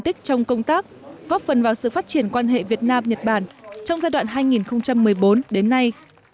tích trong công tác góp phần vào sự phát triển quan hệ việt nam nhật bản trong giai đoạn hai nghìn một mươi bốn đến nay